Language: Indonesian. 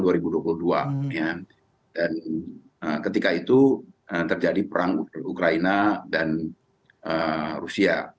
dan ketika itu terjadi perang ukraina dan rusia